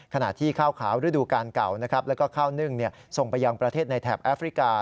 ขณะที่ข้าวขาวฤดูกาลเก่าแล้วก็ข้าวนึ่งส่งไปยังประเทศในแถบแอฟริกา